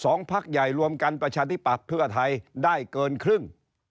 พักใหญ่รวมกันประชาธิปัตย์เพื่อไทยได้เกินครึ่ง